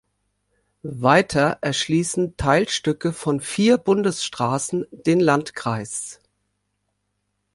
Weiter erschließen Teilstücke von vier Bundesstraßen den Landkreis.